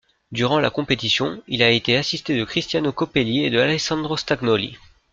Durant la compétition, il a été assisté de Cristiano Copelli et de Alessandro Stagnoli.